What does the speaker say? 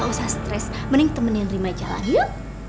gak usah stres mending temenin rima jalan ya